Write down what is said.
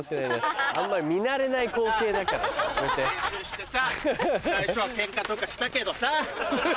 練習してさ最初はケンカとかしたけどさ。